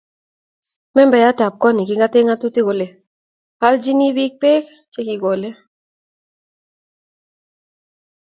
Membayat ab kot ab nekingate ngatutik kole aljini biik peek che kikole